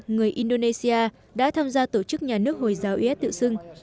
người indonesia đã tham gia tổ chức nhà nước hồi giáo is tự xưng